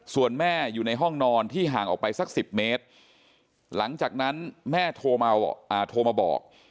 ส่วนแม่อยู่ในห้องนอนที่ห่างออกไปสัก๑๐เมตรหลังจากนั้นแม่โทรมาบอก